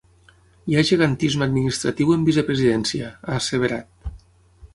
“Hi ha gegantisme administratiu en vicepresidència”, ha asseverat.